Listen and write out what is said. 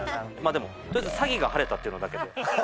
でもとりあえず詐欺が晴れたっていうのだけで。